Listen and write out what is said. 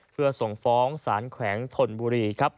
เพื่อส่งฟ้องสารแขวงธนบุรีครับ